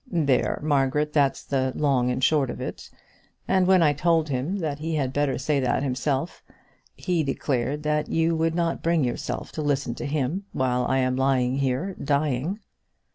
There, Margaret, that's the long and the short of it. And when I told him that he had better say that himself, he declared that you would not bring yourself to listen to him while I am lying here dying."